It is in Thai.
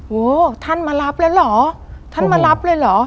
โหท่านมารับแล้วเหรอท่านมารับเลยเหรอ